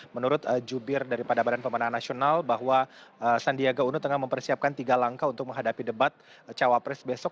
menurut jubir daripada badan pemenang nasional bahwa sandiaga uno tengah mempersiapkan tiga langkah untuk menghadapi debat cawapres besok